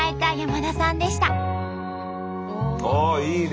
あっいいね。